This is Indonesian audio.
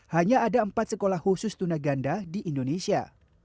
hanya ada empat sekolah khusus tuna ganda di indonesia